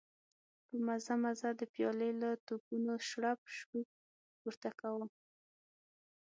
په مزه مزه د پيالې له تپونو شړپ شړوپ پورته کاوه.